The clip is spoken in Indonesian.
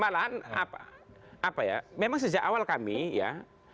malahan apa ya memang sejak awal kami ya